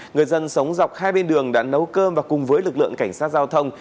người dân sống dọc hai bên đường đã nấu cơm và cùng với lực lượng cảnh sát giao thông